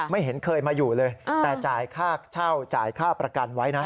เห็นเคยมาอยู่เลยแต่จ่ายค่าเช่าจ่ายค่าประกันไว้นะ